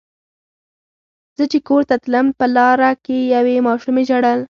زه چې کور ته تلم په لاره کې یوې ماشومې ژړل.